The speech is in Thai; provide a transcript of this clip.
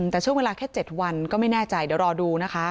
แต่ช่วงเวลาแค่๗วันก็ไม่แน่ใจเดี๋ยวรอดูนะคะ